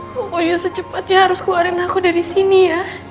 pokoknya secepatnya harus keluarin aku dari sini ya